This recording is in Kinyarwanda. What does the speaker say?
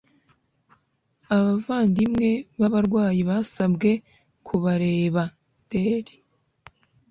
abavandimwe b'abarwayi basabwe kubareba. dr